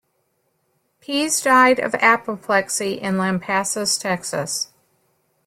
Pease died of apoplexy in Lampasas, Texas.